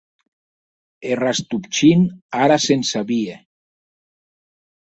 E Rastopchin ara se’n sabie.